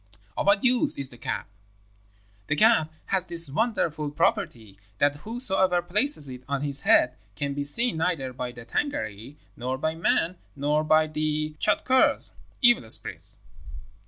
"'Of what use is the cap?' "'The cap has this wonderful property, that whosoever places it on his head can be seen neither by the Tângâri, nor by men, nor by the Tschadkurrs' (evil spirits).